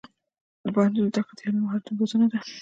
د پوهنتون زده کړه د عملي مهارتونو روزنه ده.